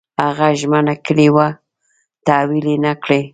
هغه ژمنه کړې وه تحویل یې نه کړې.